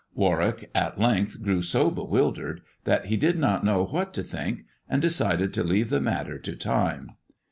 Warwick at length grew so bewildered that he did not know what to think, and decided to leave the matter to time.